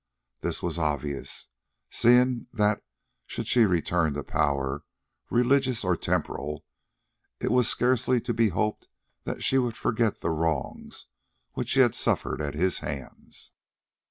This was obvious, seeing that should she return to power, religious or temporal, it was scarcely to be hoped that she would forget the wrongs which she had suffered at his hands.